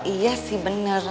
iya sih benar